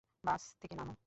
বাস থেকে নামো!